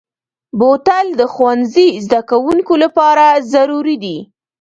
بوتل د ښوونځي زدهکوونکو لپاره ضروري دی.